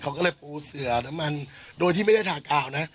เขาก็เลยปูเสือน้ำมันโดยที่ไม่ได้ถากอ่าวนะ